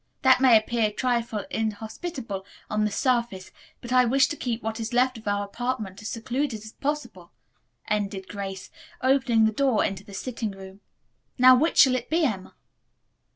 That may appear a trifle inhospitable on the surface, but I wish to keep what is left of our apartment as secluded as possible," ended Grace, opening the door into the sitting room. "Now, which shall it be, Emma?"